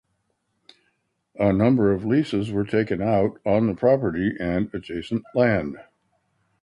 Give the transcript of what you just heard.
A number of leases were taken out on the property and adjacent land.